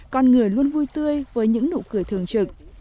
con người luôn vui tươi với những nụ cười thường trực